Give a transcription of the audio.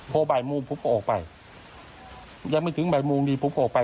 พอบ่ายโมงพุทธไปยังไม่ถึงบ่ายโมงพุทธออกไป